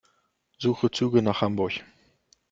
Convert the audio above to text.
Suche Züge nach Hamburg.